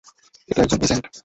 এ তো একজন অ্যাজেন্ট!